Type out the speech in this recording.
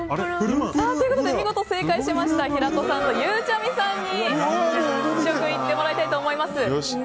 見事正解しました平子さんとゆうちゃみさんに試食してもらいたいと思います。